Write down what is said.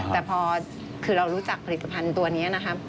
แต่พอคือเรารู้จักผลิตภัณฑ์ตัวนี้นะครับ